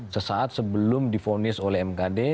sesaat sebelum difonis oleh mkd